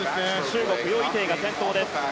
中国、ヨ・イテイが先頭。